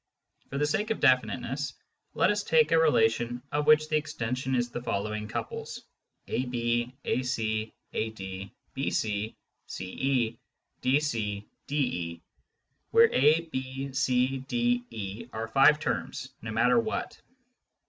For the sake of definiteness, let us take a relation of which the extension is the following couples : ab, ac, ad, be, ce, dc, de, where a, b, c, d, e are five terms, no matter what.